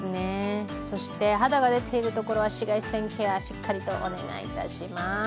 そして肌が出ているところは紫外線ケア、しっかりとお願いいたします。